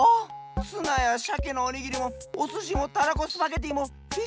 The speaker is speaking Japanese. ツナやシャケのおにぎりもおすしもたらこスパゲッティもフィッシュバーガーも！